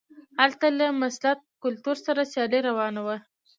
هلته له مسلط کلتور سره سیالي روانه وه.